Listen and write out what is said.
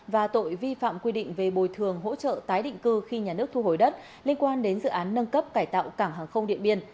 và tội vi phạm quy định về bồi thường hỗ trợ tái định cư khi nhà nước thu hồi đất liên quan đến dự án nâng cấp cải tạo cảng hàng không điện biên